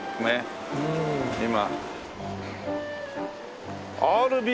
今。